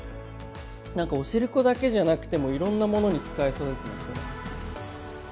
何かおしるこだけじゃなくてもいろんなものに使えそうですねこれ。